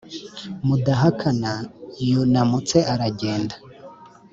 mudahakana yunamutse aragenda